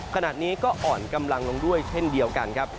ขณะนี้ก็อ่อนกำลังลงด้วยเช่นเดียวกันครับ